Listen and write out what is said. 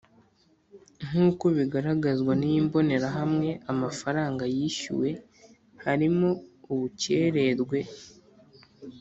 Nk uko bigaragazwa n iyi mbonerahamwe amafaranga yishyuwe harimo ubukererwe